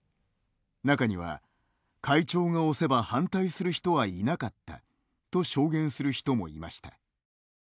中には「会長が推せば反対する人はいなかった」と証言する人もいました。